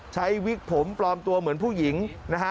วิกผมปลอมตัวเหมือนผู้หญิงนะฮะ